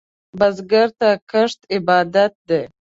بزګر ته کښت عبادت دی